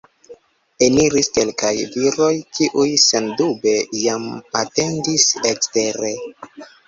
Eniris kelkaj viroj, kiuj sendube jam atendis ekstere.